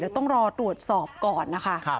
เดี๋ยวต้องรอตรวจสอบก่อนนะคะ